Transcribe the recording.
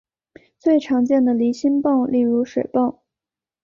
最常见的离心泵例如水泵。